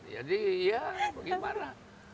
jadi ya bagaimana